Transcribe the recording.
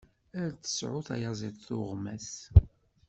Ar tesεu tyaziḍt tuɣmas!